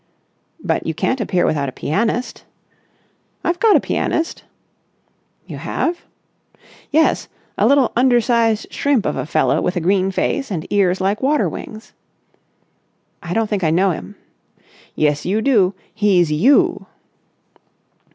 "But you can't appear without a pianist." "I've got a pianist." "You have?" "Yes. A little undersized shrimp of a fellow with a green face and ears like water wings." "I don't think I know him." "Yes, you do. He's you!"